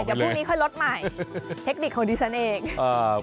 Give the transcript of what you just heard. ก็พรุ่งนี้ข้อลดใหม่เทคนิคภูมิที่ฉันเอง